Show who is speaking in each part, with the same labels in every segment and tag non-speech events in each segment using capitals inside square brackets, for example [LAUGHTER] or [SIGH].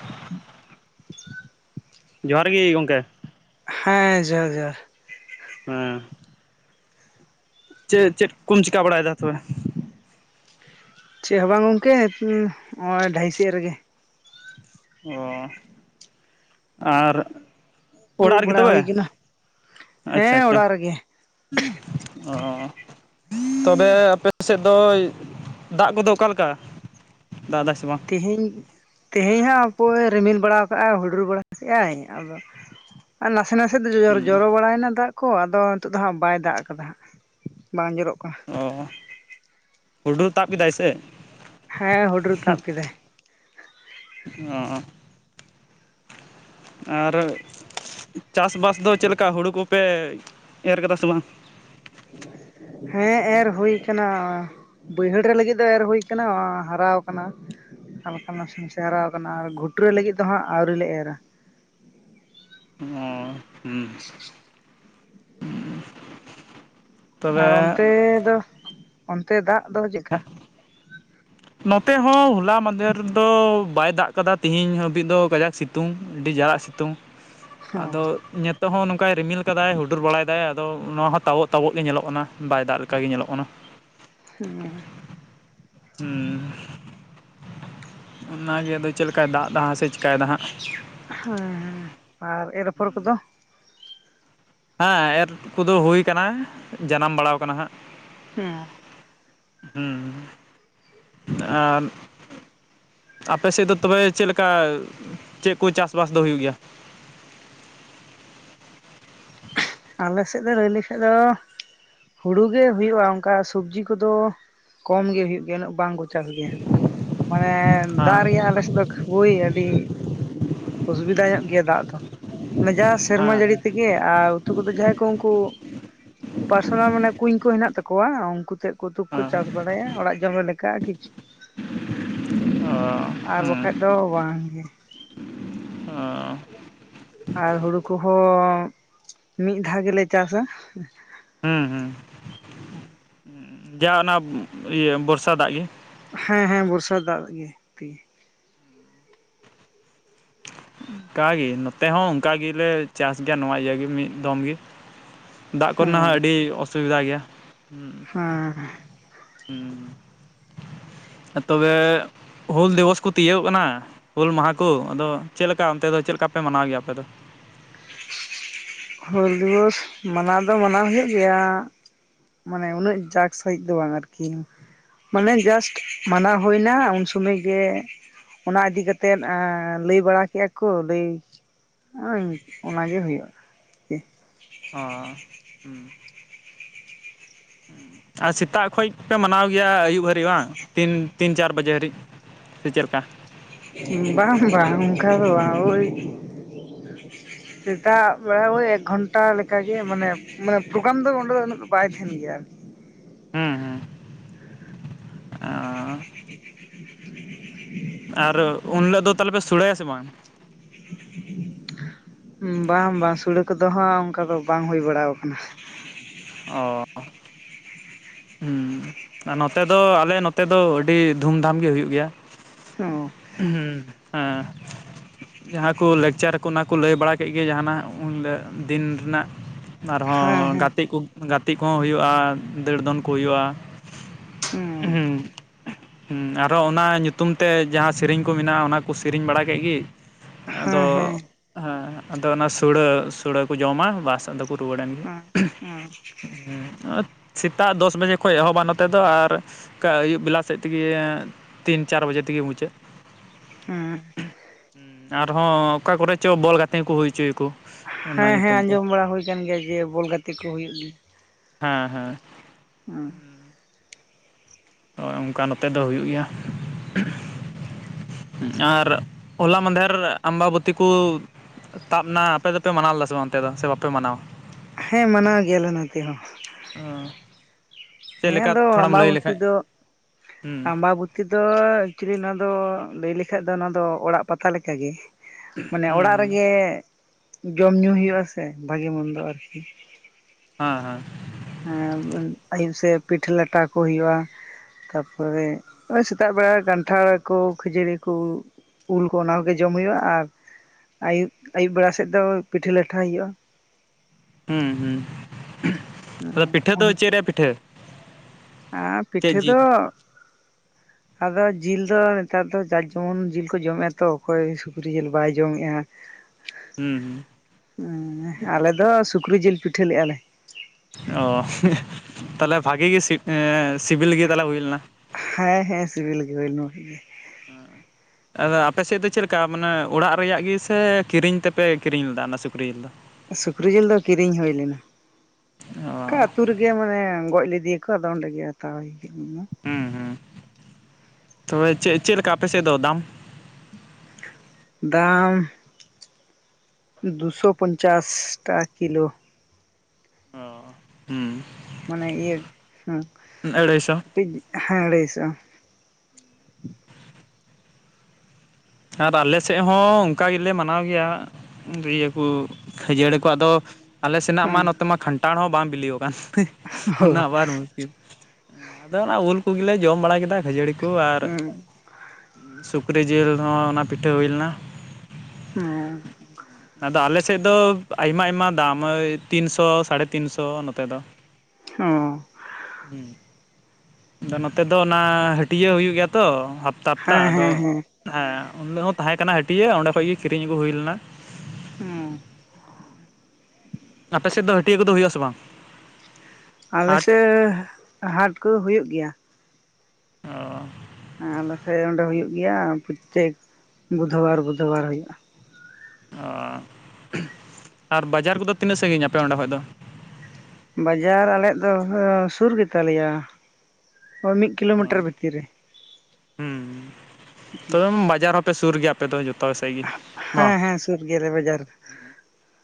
Speaker 1: [UNINTELLIGIBLE]
Speaker 2: ᱡᱚᱦᱟᱨ ᱜᱮ ᱜᱝᱢᱠᱮ᱾
Speaker 1: ᱦᱮᱸ ᱡᱚᱦᱟᱨ, ᱡᱚᱦᱟᱨ
Speaker 2: ᱦᱮᱸ ᱪᱮ ᱪᱮᱫ ᱠᱩᱢ ᱪᱤᱠᱟ ᱵᱟᱲᱟᱭ ᱫᱟ ᱛᱚᱵᱮ?
Speaker 1: ᱪᱮᱜ ᱦᱚᱸ ᱵᱟᱝ ᱜᱚᱝᱠᱮ ᱚᱭ ᱰᱟᱹᱦᱤ ᱥᱮᱫ ᱨᱮᱜᱮ᱾
Speaker 2: ᱚ ᱟᱨ ᱚᱲᱟᱜ
Speaker 1: ᱫᱩᱲᱩᱵ
Speaker 2: ᱨᱤᱜᱮ
Speaker 1: ᱵᱟᱲᱟ
Speaker 2: ᱛᱚᱵᱮ
Speaker 1: ᱦᱩᱭ ᱠᱟᱱᱟ
Speaker 2: ᱟᱪᱪᱷᱟ
Speaker 1: ᱦᱮᱸ
Speaker 2: ᱟᱪᱪᱷᱟ
Speaker 1: ᱚᱲᱟᱜ ᱨᱮᱜᱮ
Speaker 2: ᱚᱻ ᱛᱚᱵᱮ ᱟᱯᱮ ᱥᱮᱫ ᱫᱚ ᱫᱟᱜ ᱠᱚᱫᱚ ᱚᱠᱟᱞᱮᱠᱟ ᱫᱟᱜ ᱫᱟᱭ ᱥᱮ ᱵᱟᱝ?
Speaker 1: ᱛᱮᱦᱤᱧ ᱛᱮᱦᱮᱧ ᱦᱟᱸᱜ ᱦᱟᱯᱳᱭ ᱨᱤᱢᱤᱞ ᱵᱟᱲᱟᱣ ᱠᱟᱜ-ᱟᱭ ᱦᱩᱰᱩᱨ ᱵᱟᱲᱟ ᱠᱮᱜ-ᱟᱭ ᱟᱫᱚ ᱟᱨ ᱱᱟᱥᱮ ᱱᱟᱥᱮ ᱫᱚ ᱡᱚ ᱡᱚᱨᱚ ᱵᱟᱲᱟᱭ ᱱᱟ ᱫᱟᱜ᱾ ᱠᱚ ᱟᱫᱚ ᱱᱤᱛᱳᱜ ᱫᱚ ᱦᱟᱸᱜ ᱵᱟᱭ ᱫᱟᱜ ᱟᱠᱟᱫᱟ ᱦᱟᱸᱜ ᱵᱟᱝ ᱡᱚᱨᱚᱜ ᱠᱟᱱᱟ᱾
Speaker 2: ᱚ ᱦᱩᱰᱩᱨ ᱛᱟᱵ ᱠᱮᱫᱟᱭ ᱥᱮᱜ?
Speaker 1: ᱦᱮᱸ ᱦᱩᱰᱩᱨ ᱛᱟᱵ ᱠᱮᱫᱟᱭ᱾
Speaker 2: ᱚ ᱟᱨ ᱪᱟᱥᱵᱟᱥ ᱫᱚ ᱪᱮᱫ ᱞᱮᱠᱟ ᱦᱩᱲᱩ ᱠᱚᱯᱮ ᱮᱨ ᱠᱟᱫᱟ ᱥᱮ ᱵᱟᱝ?
Speaker 1: ᱦᱮᱸ ᱮᱨ ᱦᱩᱭ ᱠᱟᱱᱟ᱾ ᱵᱟᱹᱭᱦᱟᱹᱲ ᱨᱮ ᱞᱟᱹᱜᱤᱫ ᱫᱚ ᱮᱨ ᱦᱩᱭ ᱠᱟᱱᱟ ᱦᱟᱨᱟᱣ ᱠᱟᱱᱟ᱾ ᱦᱟᱞᱠᱟ ᱱᱟᱥᱮ ᱱᱟᱥᱮ ᱦᱟᱨᱟᱣ ᱠᱟᱱᱟ ᱟᱨ ᱜᱷᱩᱴᱩ ᱨᱮ ᱞᱟᱹᱜᱤᱫ ᱫᱚᱦᱟᱸᱜ ᱟᱹᱣᱨᱤ ᱞᱮ ᱮᱨᱟ᱾
Speaker 2: ᱚ ᱦᱩᱱ ᱛᱚᱵᱮ
Speaker 1: ᱟᱨ ᱚᱱᱛᱮ ᱫᱚ ᱚᱱᱛᱮ ᱫᱟᱜ ᱫᱚ ᱪᱮᱫᱠᱟ?
Speaker 2: ᱱᱚᱛᱮ ᱦᱚᱸ ᱦᱚᱞᱟ ᱢᱟᱫᱷᱮᱨ ᱫᱚ ᱵᱟᱭ ᱫᱟᱜ ᱠᱟᱫᱟ ᱛᱤᱦᱤᱧ ᱦᱟᱹᱵᱤᱡ ᱫᱚ ᱠᱟᱡᱟᱠ ᱥᱤ ᱛᱩᱝ ᱟᱹᱰᱤ ᱡᱟᱨᱟᱜ ᱥᱤᱛᱩᱝ
Speaker 1: ᱦᱚᱸ
Speaker 2: ᱟᱫᱚ ᱧᱮᱛ ᱛᱳᱜ ᱦᱚᱸ ᱱᱚᱝᱠᱟᱭ ᱨᱤᱢᱤᱞ ᱠᱟᱫᱟᱭ ᱦᱩᱰᱩᱨ ᱵᱟᱲᱟᱭ ᱫᱟᱭ ᱟᱫᱚ ᱱᱚᱣᱟ ᱦᱚᱸ ᱛᱟᱵᱚᱜ ᱛᱟᱵᱚᱜ ᱜᱮ ᱧᱮᱞᱚᱜ ᱠᱟᱱᱟ ᱵᱟᱭ ᱫᱟᱜ ᱞᱮᱠᱟ ᱜᱮ ᱧᱮᱞᱚᱜ ᱠᱟᱱᱟ᱾
Speaker 1: ᱦᱩᱸ
Speaker 2: ᱦᱩᱸᱢ ᱚᱱᱟᱜᱮ ᱟᱫᱚ ᱪᱮᱫ ᱞᱮᱠᱟᱭ ᱫᱟᱜ ᱫᱟᱦᱟᱜ ᱥᱮ ᱪᱤᱠᱟᱭᱫᱟ ᱦᱟᱸᱜ
Speaker 1: ᱦᱟᱸᱩᱢ ᱟᱨ ᱮᱨ ᱟᱯᱷᱚᱨ ᱠᱚᱫᱚ?
Speaker 2: ᱦᱮᱸ ᱮᱨ ᱠᱚᱫᱚ ᱦᱩᱭ ᱠᱟᱱᱟ ᱡᱟᱱᱟᱢ ᱵᱟᱲᱟᱣ ᱠᱟᱱᱟ ᱦᱟᱸᱜ᱾
Speaker 1: ᱦᱩᱸ
Speaker 2: ᱦᱩ ᱟ ᱟᱯᱮᱥᱮᱫ ᱫᱚ ᱛᱚᱵᱮ ᱪᱮᱫ ᱞᱮᱠᱟ ᱪᱮᱫ ᱠᱚ ᱪᱟᱥᱵᱟᱥ ᱫᱚ ᱦᱩᱭᱩᱜ ᱜᱮᱭᱟ?
Speaker 1: ᱟᱞᱮ ᱥᱮᱫ ᱫᱚ ᱞᱟᱹᱭ ᱞᱮᱠᱷᱟᱜ ᱫᱚᱼᱼ ᱦᱩᱲᱩ ᱜᱮ ᱦᱩᱭᱩᱜᱼᱟ, ᱚᱱᱠᱟ ᱥᱚᱵᱽᱡᱤ ᱠᱚᱫᱚ ᱠᱚᱢ ᱜᱮ ᱦᱩᱭᱩᱜ ᱜᱮᱭᱟ ᱩᱱᱟᱹᱜ ᱵᱟᱝ? ᱢᱟᱱᱮ
Speaker 2: ᱦᱮᱸ
Speaker 1: ᱫᱟᱜ ᱨᱮᱭᱟᱜ ᱟᱞᱮ ᱥᱮᱫ ᱫᱚ ᱠᱷᱩᱵᱮᱭ ᱟᱹᱰᱤ ᱚᱥᱩᱵᱤᱫᱟ ᱧᱚᱜ ᱜᱮᱭᱟ ᱫᱟᱜ ᱫᱚ᱾ ᱚᱱᱮ ᱡᱟ ᱥᱮᱨᱢᱟ
Speaker 2: ᱦᱮᱸ
Speaker 1: ᱡᱟᱹᱲᱤ ᱛᱮᱜᱮ ᱟᱨ ᱠᱚᱫᱚ ᱡᱟᱦᱟᱸᱭ ᱠᱚ ᱩᱱᱠᱩ ᱯᱟᱨᱥᱚᱱᱟᱞ ᱢᱟᱱᱮ ᱠᱩᱧ ᱠᱚ ᱦᱮᱱᱟᱜ ᱛᱟᱠᱚᱣᱟ, ᱩᱱᱠᱩ ᱛᱮᱫ ᱠᱩᱛᱩ ᱠᱚ
Speaker 2: ᱦᱮᱸ
Speaker 1: ᱪᱟᱥ ᱵᱟᱲᱟᱭᱟ ᱚᱲᱟᱜ ᱡᱚᱢ ᱨᱮ ᱞᱮᱠᱟ ᱠᱤᱪᱩ
Speaker 2: ᱚ
Speaker 1: ᱟᱨ
Speaker 2: ᱦᱩᱸ
Speaker 1: ᱵᱟᱠᱷᱟᱡ ᱫᱚ ᱵᱟᱝ ᱜᱮ᱾
Speaker 2: ᱚᱻ
Speaker 1: ᱟᱨ ᱦᱩᱲᱩ ᱠᱚᱦᱚᱸ ᱢᱤᱫ ᱫᱷᱟᱣ ᱜᱮᱞᱮ ᱪᱟᱥᱟ ᱾
Speaker 2: ᱦᱩᱸ ᱦᱩᱸ ᱾
Speaker 1: [INAUDIBLE]
Speaker 2: ᱡᱟᱦᱟᱸ ᱚᱱᱟ ᱤᱭᱟᱹ ᱵᱚᱨᱥᱟ ᱫᱟᱜ ᱜᱮ᱾
Speaker 1: ᱦᱮᱸ ᱦᱮᱸ ᱵᱚᱨᱥᱟ ᱫᱟᱜ ᱜᱮ ᱛᱤ ᱾
Speaker 2: ᱠᱟᱜᱤ ᱱᱚᱛᱮ ᱦᱚᱸ ᱩᱝᱠᱟ ᱜᱮᱞᱮ ᱪᱟᱥ ᱜᱮᱭᱟ ᱱᱚᱣᱟ ᱤᱭᱟᱹ ᱜᱮ ᱢᱤᱫ ᱫᱚᱢ ᱜᱮ ᱾ ᱫᱟᱜ ᱠᱚᱨᱮ ᱱᱟᱦᱟᱜ
Speaker 1: ᱦᱮᱸ
Speaker 2: ᱟᱹᱰᱤ ᱚᱥᱩᱵᱤᱫᱷᱟ ᱜᱮᱭᱟ ᱦᱩᱸ᱾
Speaker 1: ᱦᱮᱸ [INAUDIBLE]
Speaker 2: ᱛᱚᱵᱮ ᱦᱩᱞ ᱫᱤᱵᱚᱥ ᱠᱚ ᱛᱤᱭᱟᱹᱜ ᱚᱜ ᱠᱟᱱᱟ ᱦᱩᱞ ᱢᱟᱦᱟ ᱠᱚ ᱟᱫᱚ ᱪᱮᱞᱮ ᱠᱟ ᱚᱱᱛᱮ ᱫᱚ ᱪᱮᱫ ᱞᱮᱠᱟ ᱯᱮ ᱢᱟᱱᱟᱣ ᱜᱮᱭᱟ ᱟᱯᱮ ᱫᱚ?
Speaker 1: ᱦᱩᱞ ᱫᱤᱵᱚᱥ ᱢᱟᱱᱟᱣ ᱫᱚ ᱢᱟᱱᱟᱣ ᱦᱩᱭᱩᱜ ᱜᱮᱭᱟ ᱢᱟᱱᱮ ᱩᱱᱟᱹᱜ ᱡᱟᱹᱠ ᱥᱟᱺᱦᱤᱡ ᱫᱚ ᱵᱟᱝ ᱟᱨᱠᱤ᱾ ᱢᱟᱱᱮ ᱡᱟᱥᱴ ᱢᱟᱱᱟᱣ ᱦᱩᱭᱱᱟ ᱩᱱ ᱥᱚᱢᱚᱭ ᱜᱮ ᱚᱱᱟ ᱤᱫᱤ ᱠᱟᱛᱮᱫ ᱞᱟᱹᱭ ᱵᱟᱲᱟ ᱠᱮᱫᱼᱟ ᱠᱚ ᱞᱟᱹᱭ ᱦᱸ ᱚᱱᱟᱜᱮ ᱦᱩᱭᱩᱜᱼᱟ᱾
Speaker 2: [UNINTELLIGIBLE] ᱟᱨ ᱥᱮᱛᱟᱜ ᱠᱷᱚᱡ ᱯᱮ ᱢᱟᱱᱟᱣ ᱜᱮᱭᱟ ᱟᱹᱭᱩᱵ ᱦᱟᱹᱨᱵᱤᱡ ᱵᱟᱝ ᱛᱤᱱ ᱛᱤᱱ ᱪᱟᱨ ᱵᱟᱡᱮ ᱦᱟᱹᱨᱤᱡ᱾ ᱥᱮ ᱪᱮᱫ ᱞᱮᱠᱟ
Speaker 1: ᱵᱟᱝ ᱵᱟᱝ ᱚᱱᱠᱟ ᱫᱚ ᱳᱭ ᱥᱮᱛᱟᱜ ᱵᱮᱲᱟ ᱳᱭ ᱮᱠ ᱜᱷᱚᱱᱴᱟ ᱞᱮᱠᱟᱜᱮ ᱢᱟᱱᱮ ᱢᱟᱱᱮ ᱯᱨᱳᱜᱨᱟᱢ ᱫᱚ ᱚᱸᱰᱮ ᱫᱚ ᱩᱱᱟᱹᱜ ᱫᱚ ᱵᱟᱭ ᱛᱟᱦᱮᱱ ᱜᱮᱭᱟ᱾
Speaker 2: ᱦᱩᱸ ᱦᱩᱸ ᱟᱨ
Speaker 1: [UNINTELLIGIBLE]
Speaker 2: ᱟᱨᱚ ᱩᱱ ᱦᱤᱞᱳᱜ ᱫᱚ ᱛᱟᱦᱞᱮ ᱯᱮ ᱥᱚᱲᱮᱭᱟ ᱥᱮ ᱵᱟᱝ?
Speaker 1: ᱵᱟᱝ ᱵᱟᱝ ᱥᱳᱲᱮ ᱠᱚᱫᱚ ᱦᱟᱸᱜ ᱚᱱᱠᱟ ᱫᱚ ᱵᱟᱝ ᱦᱩᱭ ᱵᱟᱲᱟ ᱠᱟᱱᱟ᱾
Speaker 2: ᱚ ᱟᱨ ᱱᱚᱛᱮ ᱫᱚ ᱟᱞᱮ ᱱᱚᱛᱮ ᱫᱚ ᱟᱹᱰᱤ ᱫᱷᱩᱢ ᱫᱷᱟᱢ ᱜᱮ ᱦᱩᱭᱩᱜ ᱜᱮᱭᱟ᱾
Speaker 1: ᱚᱸ
Speaker 2: [UNINTELLIGIBLE] ᱡᱟᱦᱟᱸ ᱠᱚ ᱞᱮᱠᱪᱟᱨᱟᱠᱚ ᱚᱱᱟ ᱠᱚ ᱞᱟᱹᱭ ᱵᱟᱲᱟ ᱠᱮᱫ ᱜᱮ ᱡᱟᱦᱟᱱᱟᱜ ᱩᱱᱦᱤᱞᱚᱜ ᱫᱤᱱ ᱨᱮᱱᱟᱜ᱾
Speaker 1: ᱦᱮᱸ
Speaker 2: ᱟᱨᱦᱚᱸ
Speaker 1: ᱦᱮᱸ
Speaker 2: ᱜᱟᱛᱮᱜ ᱠᱚ ᱜᱟᱛᱮᱜ ᱠᱚᱦᱚᱸ ᱦᱩᱭᱩᱜᱼᱟ ᱫᱟᱹᱲ ᱫᱚᱱ ᱠᱚ ᱦᱩᱭᱩᱜᱼᱟ᱾ ᱦᱩᱸ ᱦᱩᱸ ᱟᱨᱦᱚᱸ ᱚᱱᱟ ᱧᱩᱛᱩᱢ ᱛᱮ ᱡᱟᱦᱟᱸ ᱥᱮᱨᱮᱧ ᱠᱚ ᱢᱮᱱᱟᱜᱼᱟ ᱚᱱᱟ ᱠᱚ ᱥᱮᱤᱨᱧ ᱵᱟᱲᱟ ᱠᱮᱫ ᱜᱮ ᱟᱫᱚ
Speaker 1: ᱦᱮᱸ ᱦᱮᱸ
Speaker 2: ᱦᱮᱸ ᱟᱫᱚ ᱚᱱᱟ ᱥᱩᱲᱟᱹ ᱥᱩᱲᱟᱹ ᱠᱚ ᱡᱚᱢᱟ ᱵᱟᱥ ᱟᱫᱚ, ᱨᱩᱣᱟᱹᱲᱮᱱ ᱜᱮ,
Speaker 1: ᱦᱮᱸ ᱦᱮᱸ
Speaker 2: ᱥᱮᱛᱟᱜ ᱫᱚᱥ ᱵᱟᱡᱮ ᱠᱷᱚᱡ ᱮᱦᱚᱵᱟ, ᱛᱟᱦᱞᱮ ᱛᱚ ᱟᱨ ᱟᱹᱭᱩᱵ ᱵᱮᱞᱟ ᱥᱮᱫ ᱛᱮᱜᱮ ᱛᱤᱱ ᱪᱟᱨ ᱵᱟᱡᱮ ᱛᱮᱜᱮ ᱢᱩᱪᱟᱹᱫ
Speaker 1: [UNINTELLIGIBLE]
Speaker 2: ᱦᱩᱸ ᱟᱨᱦᱚᱸ ᱚᱠᱟ ᱠᱚᱨᱮ ᱪᱚ ᱵᱚᱞ ᱜᱟᱛᱮ ᱠᱚ ᱦᱩᱭ ᱦᱩᱭ ᱪᱚᱭᱟᱠᱚ᱾
Speaker 1: ᱦᱮᱸ ᱦᱮᱸ ᱟᱸᱡᱚᱢ ᱵᱟᱲᱟ ᱦᱩᱭ ᱟᱠᱟᱱ ᱜᱮᱭᱟ ᱡᱮ ᱵᱚᱞ ᱜᱟᱛᱮ ᱠᱚ ᱦᱩᱭᱩᱜ ᱜᱮᱭᱟ᱾
Speaker 2: ᱦᱮᱸ ᱦᱮᱸ
Speaker 1: [UNINTELLIGIBLE]
Speaker 2: ᱚᱭ ᱚᱱᱠᱟ ᱱᱚᱛᱮ ᱫᱚ ᱦᱩᱭᱩᱜ ᱜᱮᱭᱟ᱾ ᱟᱨ ᱦᱚᱞᱟ ᱢᱟᱦᱫᱮᱨ ᱟᱢᱵᱟᱵᱟ ᱛᱤ ᱠᱚ ᱛᱟᱵ ᱱᱟ ᱟᱯᱮ ᱫᱚᱯᱮ ᱢᱟᱱᱟᱣ ᱞᱮᱫᱟ ᱥᱮ ᱵᱟᱝ ᱚᱱᱛᱮ ᱫᱚ ᱥᱮ ᱵᱟᱯᱮ ᱢᱟᱱᱟᱣᱟ?
Speaker 1: ᱦᱮᱸ ᱢᱟᱱᱟᱣ ᱜᱮᱭᱟᱞᱮ ᱱᱚᱛᱮ ᱦᱚᱸ᱾
Speaker 2: ᱪᱮᱫ
Speaker 1: ᱦᱮᱸ
Speaker 2: ᱞᱮᱠᱟ
Speaker 1: ᱟᱫᱚ
Speaker 2: ᱛᱷᱚᱲᱟᱢ ᱞᱟᱹᱭ
Speaker 1: ᱟᱢᱵᱟᱵᱛᱤ
Speaker 2: ᱞᱮᱠᱷᱟᱡ
Speaker 1: ᱫᱚ
Speaker 2: ᱦᱩᱸ
Speaker 1: ᱟᱢᱵᱟᱵ [UNINTELLIGIBLE] ᱱᱚᱣᱟ ᱫᱚ ᱞᱟᱹᱭ ᱞᱮᱠᱷᱟᱡ ᱫᱚ ᱱᱚᱣᱟ ᱫᱚ ᱚᱲᱟᱜ ᱯᱟᱛᱟ ᱞᱮᱠᱟ ᱜᱮ, ᱢᱟᱱᱮ
Speaker 2: ᱦᱩᱸ
Speaker 1: ᱚᱲᱟᱜ
Speaker 2: ᱦᱩᱸ
Speaker 1: ᱨᱮᱜᱮ ᱡᱚᱢ ᱧᱩ ᱦᱩᱭᱩᱜᱼᱟ ᱥᱮ ᱵᱷᱟᱜᱮ ᱢᱚᱱᱫᱚ ᱟᱨᱠᱤ᱾
Speaker 2: ᱦᱮᱸ ᱦᱮᱸ
Speaker 1: ᱦᱮᱸ ᱟᱭᱩᱵ ᱥᱮᱫ ᱯᱤᱴᱷᱟᱹ ᱞᱟᱴᱦᱟ ᱠᱚ ᱦᱩᱭᱩᱜᱼᱟ᱾ ᱛᱟᱯᱚᱨᱮ ᱥᱮᱛᱟᱜ ᱵᱮᱲᱟ ᱠᱟᱱᱴᱷᱟᱲ ᱠᱚ ᱠᱷᱟᱹᱡᱟᱹᱲᱤ ᱠᱚ ᱩᱞ ᱠᱚ ᱚᱱᱟ ᱠᱚᱜᱮ ᱡᱚᱢ ᱦᱩᱭᱩᱜᱼᱟ ᱟᱨ ᱟᱭᱩᱵᱽ ᱟᱹᱭᱩᱵᱽ ᱵᱮᱲᱟ ᱥᱮᱫ ᱫᱚ ᱯᱤᱴᱷᱟᱹ ᱞᱟᱴᱷᱟ ᱦᱩᱭᱩᱜᱼᱟ᱾
Speaker 2: ᱦᱩᱸ ᱦᱩᱸ ᱯᱤᱴᱷᱟᱹ ᱫᱚ ᱪᱮᱫᱨᱮᱭᱟᱜ ᱯᱤᱴᱷᱟᱹ
Speaker 1: ᱮᱸ
Speaker 2: ᱪᱮᱫ
Speaker 1: ᱯᱤᱴᱷᱟᱹ
Speaker 2: ᱡᱤᱞ
Speaker 1: ᱫᱚ ᱟᱫᱚ ᱡᱤᱞ ᱫᱚ ᱱᱮᱛᱟᱨ ᱫᱚ ᱡᱟᱠ ᱡᱮᱢᱚᱱ ᱡᱤᱞ ᱠᱚ ᱡᱚᱢᱮᱜᱼᱟ ᱛᱚ ᱚᱠᱚᱭ ᱥᱩᱠᱨᱤ ᱡᱤᱞ ᱵᱟᱭ ᱡᱚᱢᱮᱜᱼᱟ [UNINTELLIGIBLE]
Speaker 2: ᱩᱸ ᱦᱩᱸ
Speaker 1: ᱮ ᱟᱞᱮᱫ ᱫᱚ ᱥᱩᱠᱨᱤ ᱡᱤᱞ ᱯᱤᱴᱷᱟᱹ ᱞᱮᱜᱼᱟ ᱞᱮ᱾
Speaker 2: ᱚ ᱛᱟᱦᱞᱮ ᱵᱷᱟᱜᱤ ᱜᱮ ᱥᱤᱵᱤᱞ ᱜᱮ ᱛᱟᱦᱚᱞᱮ ᱵᱩᱡᱽ ᱞᱮᱱᱟ᱾
Speaker 1: ᱦᱮᱸ ᱦᱮᱸ ᱥᱤᱵᱤᱞ ᱜᱮ ᱦᱩᱭ ᱾
Speaker 2: ᱟᱫᱚ ᱟᱯᱮ ᱥᱮᱫ ᱫᱚ ᱪᱮᱫ ᱞᱮᱠᱟ ᱢᱟᱱᱮ ᱚᱲᱟᱜ ᱨᱮᱭᱟᱜ ᱜᱮᱥᱮ, ᱠᱤᱨᱤᱧ ᱛᱮᱯᱮ ᱠᱤᱨᱤᱧ ᱞᱮᱫᱟ ᱚᱱᱟ ᱥᱩᱠᱨᱤ ᱡᱤᱞ ᱫᱚ᱾
Speaker 1: ᱥᱩᱠᱨᱤ ᱡᱤᱞ ᱫᱚ ᱠᱤᱨᱤᱧ ᱦᱩᱭ ᱞᱮᱱᱟ᱾
Speaker 2: ᱚ
Speaker 1: ᱚᱱᱠᱟ ᱟᱛᱳ ᱨᱮᱜᱮ ᱢᱟᱱᱮ ᱜᱚᱡ ᱞᱮᱫᱮᱭᱟᱠᱚ ᱟᱫᱚ ᱚᱸᱰᱮ ᱜᱮ ᱦᱟᱛᱟᱣ [INAUDIBLE]
Speaker 2: ᱦᱩᱸ ᱦᱩᱸ ᱛᱚᱵᱮ ᱪᱮᱫ ᱪᱮᱫ ᱞᱮᱠᱟ ᱟᱯᱮᱥᱮᱫ ᱫᱚ ᱫᱟᱢ᱾
Speaker 1: ᱫᱟᱢ ᱫᱩᱥᱚ ᱯᱚᱧᱪᱟᱥ ᱴᱟᱠᱟ ᱠᱤᱞᱳ
Speaker 2: ᱚ ᱦᱩᱸ
Speaker 1: ᱢᱟᱱᱮ ᱤᱭᱟᱹ ᱦᱮᱸ
Speaker 2: ᱮᱲᱟᱹᱭᱥᱚ
Speaker 1: ᱠᱟᱹᱴᱤᱡ ᱦᱮ ᱟᱹᱲᱟᱹᱭᱥᱚ
Speaker 2: ᱟᱨ ᱟᱞᱮ ᱥᱮᱫ ᱦᱚᱸ ᱚᱱᱠᱟ ᱜᱮᱞᱮ ᱢᱟᱱᱟᱣ ᱜᱮᱭᱟ ᱤᱭᱟᱹ ᱠᱚ ᱠᱷᱟᱹᱡᱟᱹᱲᱤ ᱟᱫᱚ ᱟᱞᱮ ᱥᱮᱱᱟᱜ ᱢᱟ
Speaker 1: ᱦᱮᱸ
Speaker 2: ᱱᱚᱛᱮ ᱢᱟ ᱠᱷᱟᱱᱴᱷᱟᱲ ᱦᱚᱸ ᱵᱟᱝ ᱵᱤᱞᱤᱠᱟᱱ
Speaker 1: ᱦᱚᱸ
Speaker 2: ᱚᱱᱟ ᱟᱵᱟᱨ᱾ ᱟᱫᱚ ᱚᱱᱟ ᱩᱞ ᱠᱚᱜᱮᱞᱮ ᱡᱚᱢ ᱵᱟᱲᱟ ᱠᱮᱫᱟ ᱠᱷᱟᱹᱡᱟᱹᱲᱤ ᱠᱚ ᱟᱨ
Speaker 1: ᱦᱮᱸ
Speaker 2: ᱥᱩᱠᱨᱤ ᱡᱤᱞ ᱦᱚᱸ ᱚᱱᱟ ᱯᱤᱴᱷᱟᱹ ᱦᱩᱭ ᱞᱮᱱᱟ
Speaker 1: [UNINTELLIGIBLE]
Speaker 2: ᱟᱫᱚ ᱟᱞᱮᱥᱮᱫ ᱫᱚ ᱟᱭᱢᱟ ᱟᱭᱢᱟ ᱫᱟᱢ ᱳᱭ ᱛᱤᱱᱥᱚ ᱥᱟᱲᱮ ᱛᱤᱱ ᱥᱚ ᱱᱚᱛᱮ ᱫᱚ
Speaker 1: ᱚᱸ
Speaker 2: ᱦᱩᱸ ᱱᱚᱛᱮ ᱫᱚ ᱚᱱᱟ ᱦᱟᱹᱴᱤᱭᱟᱹ ᱦᱩᱭᱩᱜ ᱜᱮᱭᱟ ᱛᱚ ᱦᱟᱯᱛᱟ ᱦᱟᱯᱛᱟ
Speaker 1: ᱦᱮᱸ ᱦᱮᱸ
Speaker 2: ᱟᱫᱚ᱾
Speaker 1: ᱦᱮᱸ
Speaker 2: ᱦᱮᱸ ᱩᱱᱤᱞᱳᱜ ᱦᱚᱸ ᱛᱟᱦᱮᱸ ᱠᱟᱱᱟ ᱦᱟᱹᱴᱤᱭᱟᱹ ᱚᱸᱰᱮ ᱠᱷᱚᱡ ᱜᱮ ᱠᱤᱨᱤᱧ ᱟᱹᱜᱩ ᱦᱩᱭ ᱞᱮᱱᱟ᱾
Speaker 1: [UNINTELLIGIBLE]
Speaker 2: ᱟᱯᱮ ᱥᱮᱫ ᱫᱚ ᱦᱟᱹᱴᱤᱭᱟᱹ ᱠᱚᱫᱚ ᱦᱩᱭᱩᱜ ᱟᱥᱮ ᱵᱟᱝ᱾
Speaker 1: ᱟᱞᱮ
Speaker 2: ᱦᱟᱴ
Speaker 1: ᱥᱮᱫ ᱦᱟᱴ ᱠᱚ ᱦᱩᱭᱩᱜ ᱜᱮᱭᱟ
Speaker 2: ᱚ
Speaker 1: ᱟᱞᱮᱥᱮᱫ ᱚᱸᱰᱮ ᱦᱩᱭᱩᱜ ᱜᱮᱭᱟ ᱯᱨᱚᱛᱮᱠ ᱵᱩᱫᱷᱚᱵᱟᱨ ᱵᱩᱫᱷᱚᱵᱟᱨ ᱦᱩᱭᱩᱜᱼᱟ᱾
Speaker 2: ᱚ ᱟᱨ ᱵᱟᱡᱟᱨ ᱠᱚᱫᱚ ᱛᱤᱱᱟᱹᱜ ᱥᱟᱹᱜᱤᱧ ᱟᱯᱮ ᱚᱸᱰᱮ ᱠᱷᱚᱡ ᱫᱚ᱾
Speaker 1: ᱵᱟᱡᱟᱨ ᱟᱞᱮᱭᱟᱜ ᱫᱚ ᱥᱩᱨ ᱜᱮᱛᱟᱞᱮᱭᱟ ᱢᱤᱫ ᱠᱤᱞᱳᱢᱤᱴᱟᱨ ᱵᱷᱤᱛᱤᱨ ᱨᱮ᱾
Speaker 2: ᱦᱩᱸ ᱛᱚ ᱵᱟᱡᱟᱨ [INAUDIBLE] ᱯᱮ ᱥᱩᱨ ᱜᱮᱭᱟ ᱟᱯᱮ ᱫᱚ ᱡᱩᱚᱛᱚ ᱜᱮ ᱥᱮᱜ ᱵᱟᱝ
Speaker 1: ᱦᱮᱸ ᱦᱮᱸ ᱥᱩᱨ ᱜᱮᱭᱟᱞᱮ ᱵᱟᱡᱟᱨ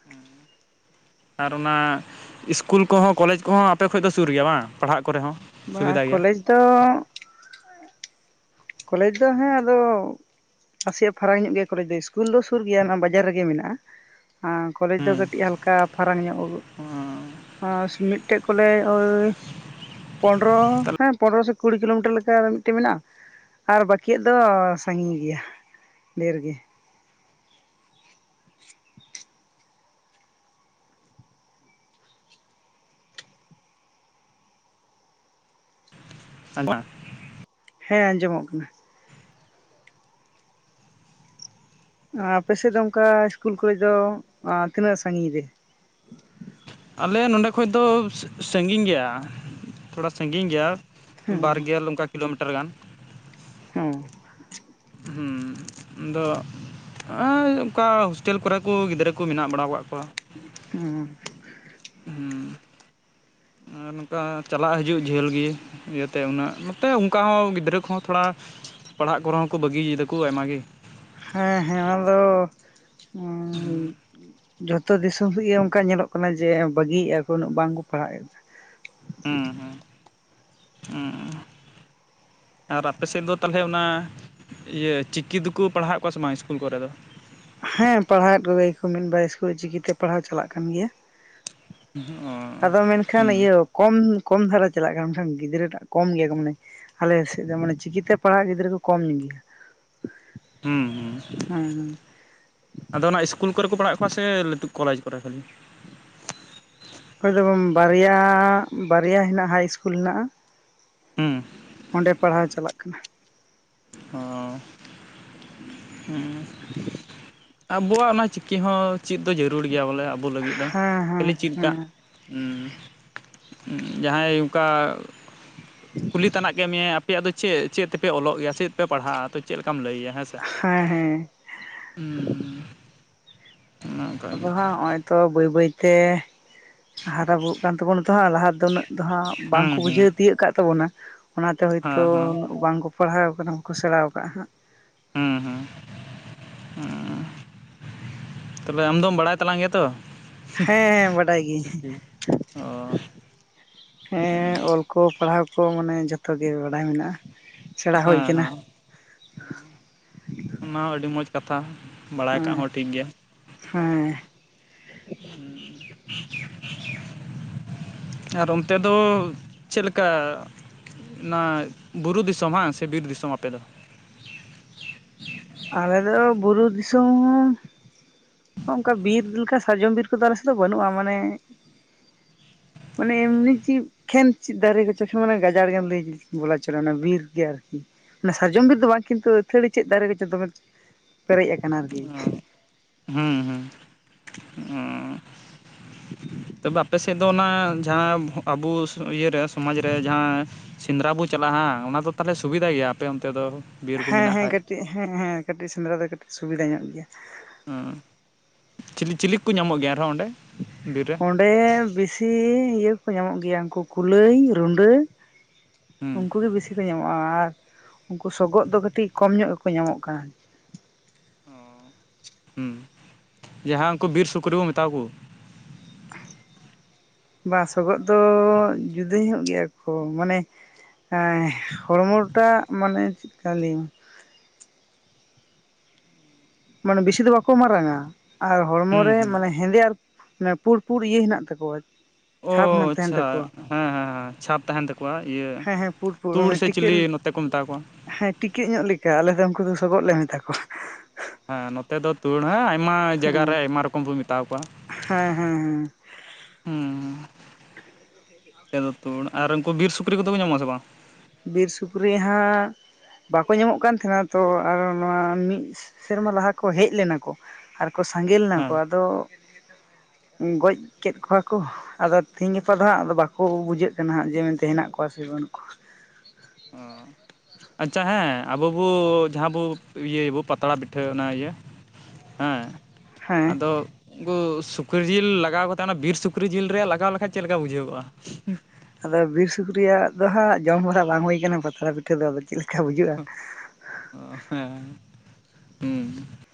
Speaker 1: [UNINTELLIGIBLE]
Speaker 2: ᱟᱨ ᱚᱱᱟ ᱤᱥᱠᱩᱞ ᱠᱚᱦᱚᱸ ᱠᱚᱞᱮᱡᱽ ᱠᱚᱦᱚᱸ ᱟᱯᱮ ᱠᱷᱚᱱ ᱫᱚ ᱥᱩᱨ ᱜᱮᱭᱟ ᱵᱟᱝ ᱯᱟᱲᱦᱟᱜ ᱠᱚᱨᱮ ᱦᱚᱸ᱾
Speaker 1: ᱵᱟ
Speaker 2: ᱥᱩᱵᱤᱫᱷᱟ ᱜᱮᱭᱟ
Speaker 1: ᱠᱚᱞᱮᱡᱽ ᱫᱚ ᱠᱚᱞᱮᱡᱽ ᱫᱚ ᱦᱮᱸ ᱟᱫᱚ ᱱᱟᱥᱮᱭᱟᱜ ᱯᱷᱟᱨᱟᱠ ᱧᱚᱜ ᱜᱮᱭᱟ ᱠᱚᱞᱮᱡᱽ ᱫᱚ ᱥᱤᱥᱠᱩᱞ ᱫᱚ ᱥᱩᱨ ᱜᱮᱭᱟ ᱵᱟᱡᱟᱨ ᱨᱮᱜᱮ ᱢᱮᱱᱟᱜᱼᱟ᱾ ᱟᱻ ᱠᱚᱞᱮᱡᱽ ᱫᱚ
Speaker 2: ᱦᱩᱸ
Speaker 1: ᱠᱟᱹᱴᱤᱡ ᱦᱟᱞᱠᱟ ᱯᱷᱟᱨᱟᱠ ᱧᱚᱜ᱾ ᱟᱨ ᱢᱤᱫᱴᱮᱱ ᱠᱚᱞᱮ ᱳᱭ ᱯᱚᱱᱨᱚ ᱦᱮᱸ ᱯᱚᱱᱨᱚ ᱥᱮ ᱠᱩᱲᱤ ᱠᱤᱞᱳᱢᱤᱴᱟᱨ ᱞᱮᱠᱟ ᱢᱤᱫᱴᱮᱱ ᱢᱮᱱᱟᱜᱼᱟ᱾ ᱟᱨ ᱵᱟᱟᱹᱠᱤᱭᱟᱜ ᱫᱚ ᱥᱟᱹᱜᱤᱧ ᱜᱮᱭᱟ ᱰᱷᱮᱨ ᱜᱮ᱾ [UNINTELLIGIBLE]
Speaker 2: [UNINTELLIGIBLE]
Speaker 1: ᱦᱮᱸ ᱟᱸᱡᱚᱢᱚᱜ ᱠᱟᱱᱟ ᱟᱯᱮᱥᱮᱫ ᱫᱚ ᱚᱱᱠᱟ ᱤᱥᱠᱩᱞ ᱠᱚᱞᱮᱡᱽ ᱫᱚ ᱛᱤᱱᱟᱹᱜ ᱥᱟᱹᱜᱤᱧ ᱨᱮ
Speaker 2: ᱟᱞᱮ ᱱᱚᱸᱰᱮ ᱠᱷᱚᱡ ᱫᱚ ᱥᱟᱹᱜᱤᱧ ᱜᱮᱭᱟ ᱛᱷᱚᱲᱟ ᱥᱟᱹᱸᱜᱤᱧ ᱜᱮᱭᱟ ᱵᱟᱨᱜᱮᱞ ᱚᱱᱠᱟ ᱠᱤᱞᱳᱢᱤᱴᱟᱨ ᱜᱟᱱ᱾
Speaker 1: ᱦᱩᱸ
Speaker 2: ᱦᱩᱸ, ᱟᱫᱚ ᱟᱹᱭ ᱚᱠᱟ ᱦᱳᱥᱴᱮᱹᱞ ᱠᱚᱨᱮ ᱠᱚ ᱜᱤᱫᱽᱨᱟᱹ ᱠᱚ ᱢᱮᱱᱟᱜ ᱵᱟᱲᱟᱣ ᱠᱟᱜ ᱠᱚᱣᱟ᱾
Speaker 1: ᱦᱩᱸ
Speaker 2: ᱦᱩᱸ ᱟᱨ ᱱᱚᱝᱠᱟ ᱪᱟᱞᱟᱜ ᱦᱤᱡᱩᱜ ᱡᱷᱟᱹᱞ ᱜᱤ ᱤᱭᱟᱹᱛᱮ ᱩᱱᱟᱹᱜ ᱱᱚᱛᱮ ᱚᱱᱠᱟ ᱦᱚᱸ ᱜᱤᱫᱽᱨᱟᱹ ᱠᱚᱦᱚᱸ ᱛᱷᱚᱲᱟ ᱯᱟᱲᱦᱟᱜ ᱠᱚᱨᱮ ᱦᱚᱸ ᱠᱚ ᱵᱟᱹᱜᱤᱭᱮᱫᱟᱠᱚ ᱟᱭᱢᱟ ᱜᱮ᱾
Speaker 1: ᱦᱮᱸ ᱦᱮᱸ ᱟᱞᱚ
Speaker 2: ᱦᱩᱸ
Speaker 1: ᱡᱚᱛᱚ ᱫᱤᱥᱚᱢ ᱨᱮᱜᱮ ᱚᱝᱠᱟ ᱧᱮᱞᱚᱜ ᱠᱟᱱᱟ ᱡᱮ ᱵᱟᱹᱜᱤᱭᱮᱜᱼᱟ ᱠᱚ ᱩᱱᱟᱹᱜ ᱵᱟᱝᱠᱚ ᱯᱟᱲᱦᱟᱜ ᱮᱫᱟ᱾
Speaker 2: ᱦᱩᱸ ᱦᱩᱸ ᱦᱩᱸ ᱟᱨ ᱟᱯᱮ ᱥᱮᱫ ᱫᱚ ᱛᱟᱦᱞᱮ ᱚᱱᱟ ᱤᱭᱟᱹ ᱪᱤᱠᱤ ᱫᱚᱠᱚ ᱯᱟᱲᱦᱟᱣᱮᱫ ᱠᱚᱣᱟ ᱥᱮ ᱵᱟᱝ ᱤᱥᱠᱩᱞ ᱠᱚᱨᱮ ᱫᱚ?
Speaker 1: ᱦᱮᱸ ᱯᱟᱲᱦᱟᱣᱮᱫ ᱠᱚᱜᱮᱭᱟ ᱠᱚ ᱢᱤᱫ ᱵᱟᱨ ᱤᱥᱠᱩᱞ ᱪᱤᱠᱤᱛᱮ ᱯᱟᱲᱦᱟᱣ ᱪᱟᱞᱟᱜ ᱠᱟᱱ ᱜᱮᱭᱟ᱾ ᱟᱫᱚ ᱢᱮᱱᱠᱷᱟᱱ
Speaker 2: [UNINTELLIGIBLE]
Speaker 1: ᱤᱭᱟᱹ ᱠᱚᱢ ᱠᱚᱢ ᱫᱷᱟᱨᱟ ᱪᱟᱞᱟᱜ ᱠᱟᱱ ᱛᱟᱦᱮᱸᱫ ᱜᱤᱫᱽᱨᱟᱹ ᱴᱟᱜ ᱠᱚᱢ ᱜᱮᱭᱟ ᱠᱚ ᱢᱟᱱᱮ ᱟᱞᱮ ᱥᱮᱫ ᱫᱚ ᱢᱟᱱᱮ ᱪᱤᱠᱤᱛᱮ ᱯᱟᱲᱦᱟᱜ ᱜᱤᱫᱽᱨᱟᱹ ᱠᱚ ᱠᱚᱢ ᱜᱮᱭᱟ᱾
Speaker 2: ᱦᱩᱸ ᱦᱩᱸ᱾
Speaker 1: ᱦᱩᱸ ᱦᱩᱸ᱾
Speaker 2: ᱟᱫᱚ ᱚᱱᱟ ᱤᱥᱠᱩᱞ ᱠᱚᱨᱮ ᱠᱚ ᱯᱟᱲᱦᱟᱣᱮᱜ ᱠᱚᱣᱟ ᱥᱮ ᱞᱟᱹᱴᱩ ᱠᱚᱞᱮᱡᱽ ᱠᱚᱨᱮ ᱠᱷᱚᱱ?
Speaker 1: ᱚᱠᱚᱭ ᱫᱚ ᱵᱟᱨᱭᱟ ᱵᱟᱨᱭᱟ ᱦᱮᱱᱟᱜᱼᱟ ᱦᱟᱭ ᱤᱥᱠᱩᱞ ᱦᱮᱱᱟᱜᱼᱟ᱾
Speaker 2: ᱦᱩᱸ
Speaker 1: ᱚᱸᱰᱮ ᱯᱟᱲᱦᱟᱣ ᱪᱟᱞᱟᱜ ᱠᱟᱱᱟ᱾
Speaker 2: ᱦᱩᱸ᱾
Speaker 1: [INAUDIBLE]
Speaker 2: ᱟᱵᱚᱣᱟᱜ ᱚᱱᱟ ᱪᱤᱠᱤ ᱦᱚᱸ ᱪᱮᱫ ᱫᱚ ᱡᱟᱹᱨᱩᱲ ᱜᱮᱭᱟ ᱵᱚᱞᱮ ᱟᱵᱚ ᱞᱟᱹᱜᱤᱫ ᱫᱚ,
Speaker 1: ᱦᱮᱸ ᱦᱮᱸ
Speaker 2: ᱠᱷᱟᱞᱤ ᱪᱮᱫ ᱠᱟᱜ᱾
Speaker 1: ᱦᱮᱸ
Speaker 2: ᱩᱸ, ᱡᱟᱦᱟᱸᱭ ᱚᱝᱠᱟ ᱠᱩᱞᱤ ᱛᱟᱱᱟᱜ ᱠᱮᱜ ᱢᱮᱭᱟᱭ ᱟᱯᱮᱭᱟᱜ ᱫᱚ ᱪᱮᱫ, ᱪᱮᱫ ᱛᱮᱯᱮ ᱚᱞᱚᱜ ᱜᱮᱭᱟ ᱪᱮᱫ ᱯᱮ ᱯᱟᱲᱦᱟᱜ-ᱟ ᱛᱚ, ᱪᱮᱫ ᱞᱮᱠᱟᱢ ᱞᱟᱹᱭᱭᱟ ᱦᱮᱸ ᱥᱮ᱾
Speaker 1: ᱦᱮᱸ ᱦᱮᱸ
Speaker 2: ᱦᱩᱸ᱾ ᱚᱱᱮ ᱚᱱᱠᱟ
Speaker 1: ᱟᱫᱚ
Speaker 2: ᱜᱮ
Speaker 1: ᱦᱟᱸᱜ ᱦᱚᱸᱜ-ᱚᱭ ᱛᱚ ᱵᱟᱹᱭ ᱵᱟᱹᱭ ᱛᱮ ᱦᱟᱨᱟ ᱵᱩᱨᱩᱜ ᱠᱟᱱ ᱛᱟᱵᱚᱱᱟ᱾ ᱛᱚ ᱦᱟᱸᱜ ᱞᱟᱦᱟ ᱫᱚ ᱩᱱᱟᱹᱜ ᱫᱚ ᱦ
Speaker 2: ᱦᱮᱸ
Speaker 1: ᱵᱟᱝᱠᱚ
Speaker 2: ᱦᱮᱸ
Speaker 1: ᱵᱩᱡᱷᱟᱹᱣ ᱛᱤᱭᱟᱹᱜ ᱠᱟᱜ ᱛᱟᱵᱚᱱᱟ ᱚᱱᱟᱛᱮ ᱦᱳᱭᱛᱳ
Speaker 2: ᱦᱮᱸ ᱦᱮᱸ
Speaker 1: ᱩᱱᱟᱹᱜ ᱵᱟᱝ ᱠᱚ ᱯᱟᱲᱦᱟᱣ ᱠᱟᱱᱟ ᱠᱚ ᱥᱮᱬᱟᱣ ᱠᱟᱜ-ᱟ ᱦᱟᱸᱜ᱾
Speaker 2: ᱦᱩᱸ ᱦᱩᱸ, ᱦᱩᱸ᱾ ᱛᱚᱵᱮ ᱟᱢ ᱫᱚᱢ ᱵᱟᱲᱟᱭ ᱛᱟᱞᱟᱝ ᱜᱮᱭᱟ ᱛᱚ?
Speaker 1: ᱦᱮᱸ ᱵᱟᱰᱟᱭ ᱜᱤᱭᱟᱹᱧ᱾
Speaker 2: ᱚ
Speaker 1: ᱦᱮᱸ ᱚᱞ ᱠᱚ, ᱯᱟᱲᱦᱟᱣ ᱠᱚ ᱢᱟᱱᱮ ᱡᱚᱛᱚ ᱜᱮ ᱵᱟᱲᱟᱭ ᱢᱮᱱᱟᱜ-ᱟ᱾
Speaker 2: ᱦᱮᱸ ᱦᱮᱸ, ᱚᱱᱟ ᱦᱚᱸ ᱟᱹᱰᱤ ᱢᱚᱸᱡᱽ ᱠᱟᱛᱷᱟ᱾ ᱵᱟᱲᱟᱭ ᱠᱟᱜ
Speaker 1: ᱦᱮᱸ
Speaker 2: ᱦᱚᱸ ᱴᱷᱤᱠ ᱜᱮᱭᱟ᱾
Speaker 1: ᱦᱮᱸ᱾
Speaker 2: ᱟᱨ ᱚᱱᱛᱮ ᱫᱚ ᱪᱮᱫᱠᱟ? ᱚᱱᱟ ᱵᱩᱨᱩ ᱫᱤᱥᱚᱢ ᱵᱟᱝ, ᱥᱮ ᱵᱤᱨ ᱫᱤᱥᱚᱢ ᱟᱯᱮ ᱫᱚ?
Speaker 1: ᱟᱞᱮ ᱫᱚ ᱵᱩᱨᱩ ᱫᱤᱥᱚᱢ ᱚᱝᱠᱟ ᱵᱤᱨ ᱞᱮᱠᱟ ᱥᱟᱨᱡᱚᱢ ᱵᱤᱨ ᱠᱚᱫᱚ ᱟᱞᱮ ᱥᱮᱫ ᱫᱚ ᱵᱟᱹᱱᱩᱜ-ᱟ ᱢᱟᱱᱮ ᱢᱟᱱᱮ ᱮᱢᱱᱤ ᱪᱮᱫ ᱠᱷᱮᱱ ᱪᱮᱫ ᱫᱟᱨᱮ ᱠᱚᱪᱚ ᱠᱷᱮᱱ ᱢᱟᱱᱮ ᱜᱟᱡᱟᱲ ᱜᱮᱢ ᱞᱟᱹᱭ ᱵᱚᱞᱟ ᱦᱚᱪᱚ ᱚᱱᱟ ᱵᱤᱨ ᱜᱮ ᱟᱨᱠᱤ᱾ ᱚᱱᱟ ᱥᱟᱨᱡᱚᱢ ᱵᱤᱨ ᱫᱚ ᱵᱟᱝ, ᱠᱤᱱᱛᱩ ᱟᱹᱛᱷᱟᱹᱲᱤ ᱪᱮᱫ ᱫᱟᱨᱮ ᱠᱚ ᱪᱚ ᱫᱚᱢᱮ ᱯᱮᱨᱮᱡ ᱟᱠᱟᱱᱟ ᱟᱨᱠᱤ᱾
Speaker 2: ᱦᱩᱸ ᱦᱩᱸ᱾ ᱩᱸᱻ ᱛᱚᱵᱮ ᱟᱯᱮ ᱥᱮᱫ ᱫᱚ ᱚᱱᱟ ᱡᱟᱦᱟᱸ ᱟᱵᱚ ᱤᱭᱟᱹᱨᱮ ᱥᱚᱢᱟᱡᱽ ᱨᱮ ᱡᱟᱦᱟᱸ ᱥᱮᱸᱫᱽᱨᱟ ᱵᱚ ᱪᱟᱞᱟᱜᱼᱟ ᱦᱟᱸ ᱚᱱᱟ ᱫᱚ ᱛᱟᱦᱞᱮ ᱥᱩᱵᱤᱫᱷᱟ ᱜᱮᱭᱟ ᱟᱯᱮ ᱚᱱᱛᱮ ᱫᱚ? ᱵᱤᱨ ᱠᱚ
Speaker 1: ᱦᱮᱸ
Speaker 2: ᱢᱮᱱᱟᱜ
Speaker 1: ᱦᱮᱸ
Speaker 2: ᱠᱷᱟᱡ
Speaker 1: ᱠᱟᱹᱴᱤᱡ ᱦᱮᱸ ᱦᱮᱸ ᱠᱟᱹᱴᱤᱡ ᱥᱮᱸᱫᱽᱨᱟ ᱫᱚ ᱠᱟᱹᱴᱤᱡ ᱥᱩᱵᱤᱫᱷᱟ ᱧᱚᱜ ᱜᱮᱭᱟ᱾
Speaker 2: ᱪᱤ ᱪᱤᱞᱤ ᱠᱚ ᱧᱟᱢᱚᱜ ᱜᱮᱭᱟ ᱟᱨᱦᱚᱸ ᱚᱸᱰᱮ ᱵᱤᱨ ᱨᱮ?
Speaker 1: ᱚᱸᱰᱮ ᱵᱤᱥᱤ ᱤᱭᱟᱹ ᱠᱚ ᱧᱟᱢᱚᱜ ᱜᱮᱭᱟ ᱩᱱᱠᱩ ᱠᱩᱞᱟᱹᱭ ᱨᱩᱸᱰᱟᱹ,
Speaker 2: ᱦᱩᱸ
Speaker 1: ᱩᱱᱠᱩ ᱜᱮ ᱵᱮᱥᱤ ᱠᱚ ᱧᱟᱢᱚᱜᱼᱟ, ᱟᱨ ᱩᱱᱠᱩ ᱥᱚᱜᱚᱫ ᱫᱚ ᱠᱟᱹᱴᱤᱡ ᱠᱚᱢ ᱧᱚᱜ ᱜᱮᱠᱚ ᱧᱟᱢᱚᱜ ᱠᱟᱱᱟ᱾
Speaker 2: ᱦᱩᱸ ᱡᱟᱦᱟᱸ ᱩᱱᱠᱩ ᱵᱤᱨ ᱥᱩᱠᱨᱤ ᱵᱚ ᱢᱮᱛᱟᱣᱟ ᱠᱚ᱾
Speaker 1: ᱵᱟ ᱥᱚᱜᱚᱜ ᱫᱚ ᱡᱩᱫᱟᱹ ᱧᱚᱜ ᱜᱮᱭᱟ ᱠᱚ ᱢᱟᱱᱮ ᱦᱚᱲᱢᱚ ᱴᱟᱜ ᱢᱟᱱᱮ ᱪᱮᱫ ᱞᱮᱠᱟᱧ ᱞᱟᱹᱭ, ᱢᱟᱱᱮ ᱵᱤᱥᱤ ᱫᱚ ᱵᱟᱠᱚ ᱢᱟᱨᱟᱝᱟ ᱟᱨ ᱦᱚᱲᱢᱚ
Speaker 2: ᱦᱩᱸ
Speaker 1: ᱨᱮ
Speaker 2: ᱦᱩᱸ
Speaker 1: ᱢᱟᱱᱮᱼᱼ ᱦᱮᱸᱫᱮ ᱟᱨ ᱢᱟᱱᱮ ᱯᱩᱲᱯᱩᱨᱲ ᱤᱭᱟᱹ ᱦᱮᱱᱟᱜ ᱛᱟᱠᱚᱣᱟ,
Speaker 2: ᱚ
Speaker 1: ᱪᱷᱟᱯ ᱦᱮᱱᱟᱜ ᱛᱟᱦᱮᱱ
Speaker 2: ᱟᱪᱪᱷᱟ
Speaker 1: ᱛᱟᱠᱚᱣᱟ
Speaker 2: ᱦᱮᱸ ᱦᱮᱸ ᱦᱮᱸ ᱪᱷᱟᱯ ᱛᱟᱦᱮᱱ ᱛᱟᱠᱚᱼᱼ ᱠᱚᱣᱟ ᱤᱭᱟᱹ
Speaker 1: ᱦᱮᱸ ᱦᱮᱸ ᱯᱩᱲ ᱯᱩᱲ
Speaker 2: ᱛᱩᱲ
Speaker 1: ᱚᱱᱮ
Speaker 2: ᱥᱮ ᱪᱤᱞᱤ
Speaker 1: ᱴᱤᱠᱟᱹᱜ
Speaker 2: ᱱᱚᱛᱮ ᱠᱚ ᱢᱮᱛᱟᱣ ᱠᱚᱣᱟ᱾
Speaker 1: ᱦᱮᱸ ᱴᱤᱠᱟᱹᱜ ᱧᱚᱜ ᱞᱮᱠᱟ ᱟᱞᱮ ᱫᱚ ᱩᱝᱠᱩ ᱫᱚ ᱥᱚᱜᱚᱜ ᱞᱮ ᱢᱮᱛᱟ ᱠᱚᱣᱟ᱾
Speaker 2: [UNINTELLIGIBLE] ᱱᱚᱛᱮ ᱫᱚ ᱛᱩᱲ ᱦᱟᱸ ᱟᱭᱢᱟ ᱡᱟᱭᱜᱟ ᱨᱮ
Speaker 1: ᱦᱮᱸ
Speaker 2: ᱟᱭᱢᱟ ᱨᱚᱠᱚᱢ ᱵᱚᱱ ᱢᱮᱛᱟᱣ ᱠᱚᱣᱟ᱾
Speaker 1: ᱦᱮᱸ ᱦᱮᱸ
Speaker 2: [UNINTELLIGIBLE] ᱛᱩᱲ ᱟᱨ ᱩᱝᱠᱩ ᱵᱤᱨ ᱥᱩᱠᱨᱤ ᱠᱚᱫᱚ ᱠᱚ ᱧᱟᱢᱚᱜ ᱟᱥᱮ ᱵᱟᱝ?
Speaker 1: ᱵᱤᱨ ᱥᱩᱠᱨᱤ ᱦᱟᱸᱜ ᱵᱟᱠᱚ ᱧᱟᱢᱚᱜ ᱠᱟᱱ ᱛᱟᱸᱦᱮᱱᱟ ᱛᱚ ᱟᱨ ᱱᱚᱣᱟ ᱢᱤᱫ ᱥᱮ ᱥᱮᱨᱢᱟ ᱞᱟᱦᱟ ᱠᱚ ᱦᱮᱡ ᱞᱮᱱᱟ ᱠᱚ ᱟᱨᱼᱼ ᱠᱚ ᱥᱟᱸᱜᱮ ᱞᱮᱱᱟ ᱠᱚ
Speaker 2: ᱦᱮᱸ
Speaker 1: ᱟᱫᱚ ᱜᱚᱡᱽ ᱠᱮᱫ ᱠᱚᱣᱟ ᱠᱚ᱾ ᱟᱫᱚ ᱛᱮᱦᱤᱧ ᱜᱟᱯᱟ ᱫᱚ ᱦᱟᱸᱜ ᱵᱟᱠᱚ ᱵᱩᱡᱷᱟᱹᱜ ᱠᱟᱱᱟ ᱦᱟᱸᱜ ᱡᱮ ᱢᱮᱱᱛᱮ ᱦᱮᱱᱟᱜ ᱠᱚᱣᱟ ᱥᱮ ᱵᱟᱹᱱᱩᱜ ᱠᱚᱣᱟ᱾
Speaker 2: ᱚ
Speaker 1: [UNINTELLIGIBLE]
Speaker 2: ᱟᱪᱪᱷᱟ ᱦᱮᱸ ᱟᱵᱚ ᱵᱚ ᱡᱟᱦᱟᱸ ᱵᱚ ᱤᱭᱟᱹᱭᱟᱵᱚ ᱯᱟᱛᱲᱟ ᱯᱤᱴᱷᱟᱹ ᱚᱱᱟ ᱤᱭᱟᱹ- ᱦᱮᱸ
Speaker 1: ᱦᱮᱸ
Speaker 2: ᱟᱫᱚᱼᱼ ᱩᱝᱠᱩ ᱥᱩᱠᱨᱤ ᱡᱤᱞ ᱞᱟᱜᱟᱣ ᱠᱟᱛᱮᱜ ᱚᱱᱟ ᱵᱤᱨ ᱥᱩᱠᱨᱤ ᱡᱤᱞ ᱨᱮ ᱞᱟᱜᱟᱣ ᱞᱮᱠᱷᱟᱡ ᱪᱮᱫ ᱠᱟ ᱵᱩᱡᱷᱟᱹᱣᱚᱜᱼᱟ?
Speaker 1: ᱟᱫᱚ ᱵᱤᱨ ᱥᱩᱠᱨᱤᱭᱟᱜ ᱫᱚ ᱦᱟᱸᱜ ᱡᱚᱢ ᱵᱟᱲᱟ ᱵᱟᱝ ᱦᱩᱭ ᱠᱟᱱᱟ ᱯᱟᱛᱲᱟ ᱯᱤᱴᱷᱟᱹ ᱫᱚ ᱟᱫᱚ ᱪᱮᱫᱠᱟ ᱵᱩᱡᱩᱜᱼᱟ?
Speaker 2: ᱚ ᱦᱮᱸ ᱦᱮᱸ ᱦᱩᱸ